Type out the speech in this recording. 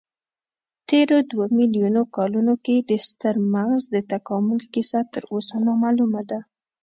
تېرو دوو میلیونو کلونو کې د ستر مغز د تکامل کیسه تراوسه نامعلومه ده.